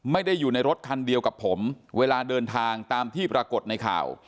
ไม่ได้อยู่ในรถคันเดียวกับผมเวลาเดินทางตามที่ปรากฏในข่าว